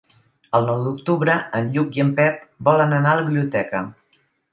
El nou d'octubre en Lluc i en Pep volen anar a la biblioteca.